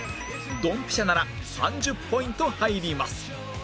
ドンピシャなら３０ポイント入ります